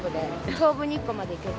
東武日光まで行けて。